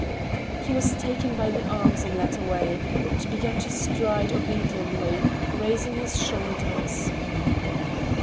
He was taken by the arms and led away, and began to stride obediently, raising his shoulders.